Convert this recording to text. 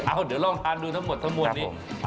เอ้าเดี๋ยวลองทานดูทั้งหมดทั้งหมดนี้ครับผม